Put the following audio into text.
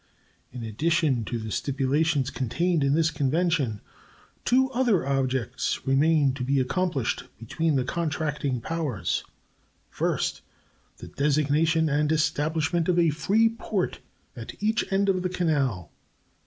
In addition to the stipulations contained in this convention, two other objects remain to be accomplished between the contracting powers: First. The designation and establishment of a free port at each end of the canal.